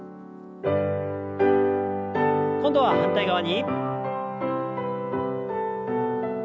今度は反対側に。